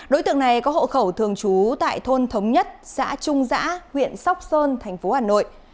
đối tượng này có hộ khẩu thường trú tại thôn thống nhất xã trung giã huyện sóc sơn thành phố hà nội